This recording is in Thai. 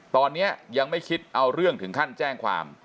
ตอนนี้ยังไม่คิดเอาเรื่องถึงขั้นแจ้งความ